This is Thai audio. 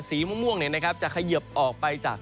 สีม่วงเนี่ยนะครับจะขยับออกไปจาก